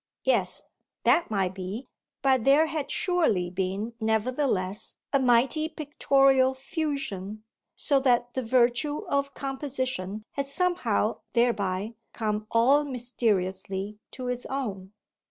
Yes, that might be, but there had surely been nevertheless a mighty pictorial fusion, so that the virtue of composition had somehow thereby come all mysteriously to its own.